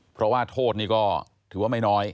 เพราะว่าโทษนี่ก็ถือว่าไม่น้อย